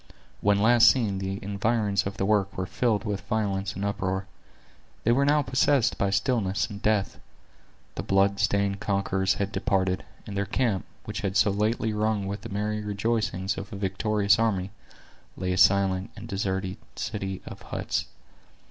When last seen, the environs of the works were filled with violence and uproar. They were now possessed by stillness and death. The blood stained conquerors had departed; and their camp, which had so lately rung with the merry rejoicings of a victorious army, lay a silent and deserted city of huts.